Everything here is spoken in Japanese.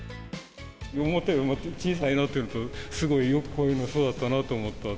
思ったより小さいなっていうのと、すごいよくこんなに育ったなと思った。